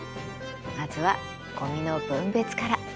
まずはごみの分別から。